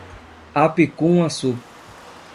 Apicum-Açu